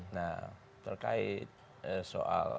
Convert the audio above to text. nah terkait soal